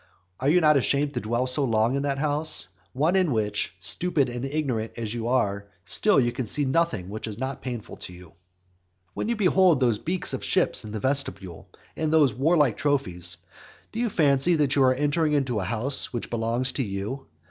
Are you not ashamed to dwell so long in that house? one in which, stupid and ignorant as you are, still you can see nothing which is not painful to you. XXVIII. When you behold those beaks of ships in the vestibule, and those warlike trophies, do you fancy that you are entering into a house which belongs to you?